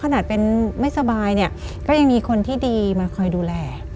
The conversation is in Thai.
ขนาดเป็นไม่สบายเนี่ยก็ยังมีคนที่ดีมาคอยดูแล